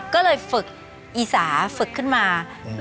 ก็เลยฝึกอีสาฝึกขึ้นมา